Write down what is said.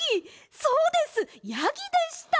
そうですやぎでした！